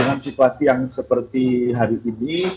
dengan situasi yang seperti hari ini